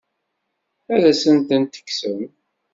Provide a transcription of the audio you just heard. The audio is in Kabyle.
Ad asent-ten-tekksem?